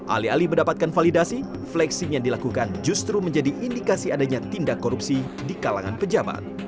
alih alih mendapatkan validasi flexing yang dilakukan justru menjadi indikasi adanya tindak korupsi di kalangan pejabat